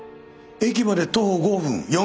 駅まで徒歩５分。